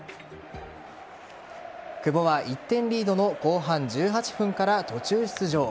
久保は１点リードの後半１８分から途中出場。